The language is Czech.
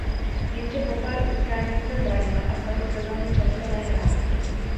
Jenže po pár utkání se zranil a celou sezonu často nehrál.